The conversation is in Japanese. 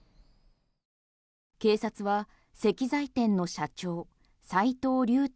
警察は石材店の社長齋藤竜太